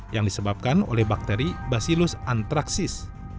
yang disebabkan oleh bakteri basilos anthraxis